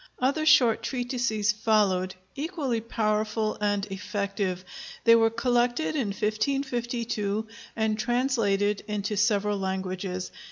Other short treatises followed, equally powerful and effective. They were collected in 1552 and translated into several languages.